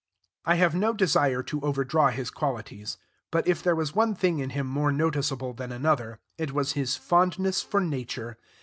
I have no desire to overdraw his qualities, but if there was one thing in him more noticeable than another, it was his fondness for nature.